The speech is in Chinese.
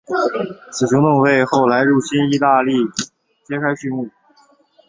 此行动为后来入侵义大利揭开续幕。